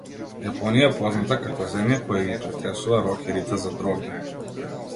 Јапонија е позната како земја која ги претресува рокерите за дроги.